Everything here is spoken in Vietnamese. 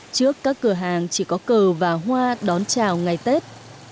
trước các cửa hàng chỉ có cờ và hoa đón chào ngày tết